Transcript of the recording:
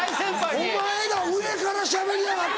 お前ら上からしゃべりやがって！